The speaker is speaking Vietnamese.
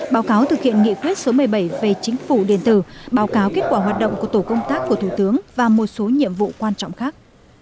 báo cáo thực hiện nghị quyết số một mươi bảy về chính phủ điện tử báo cáo kết quả hoạt động của tổ công tác của thủ tướng và một số nhiệm vụ quan trọng khác